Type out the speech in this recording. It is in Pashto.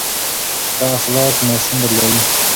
ښه اخلاق ماشوم بدلوي.